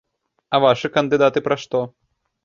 А вашы кандыдаты пра што?